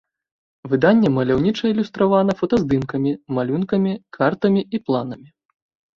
Выданне маляўніча ілюстравана фотаздымкамі, малюнкамі, картамі і планамі.